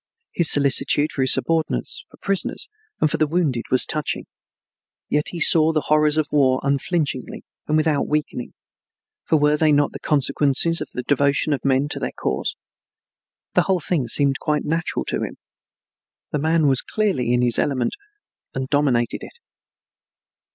His solicitude for his subordinates, for prisoners, and for the wounded was touching, yet he saw the horrors of the war unflinchingly and without weakening, for were they not the consequences of the devotion of men to their cause? The whole thing seemed quite natural to him. The man was clearly in his element and dominated it.